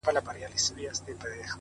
• چي په كالو بانـدې زريـــن نه ســـمــه،